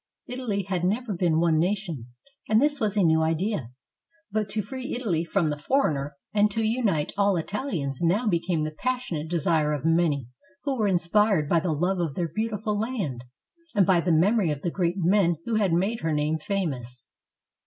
Italy had never been one nation, and this was a new idea; but to free Italy from the foreigner, and to unite all Italians now became the passionate desire of many who were inspired by the love of their beautiful land, and by the memory of the great men who had made her name famous.